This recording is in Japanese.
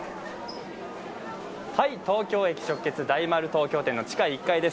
東京駅直結、大丸東京店の地下１階です。